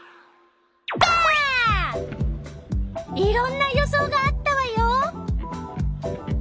いろんな予想があったわよ。